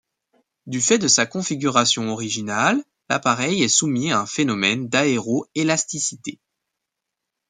Du fait de sa configuration originale, l'appareil est soumis à un phénomène d'aéroélasticité.